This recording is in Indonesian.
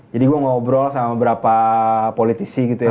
jadi gue ngobrol sama beberapa politisi gitu ya